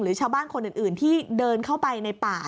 ชาวบ้านคนอื่นที่เดินเข้าไปในป่า